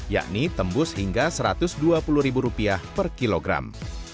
yakni tembus hingga rp satu ratus dua puluh per kilogram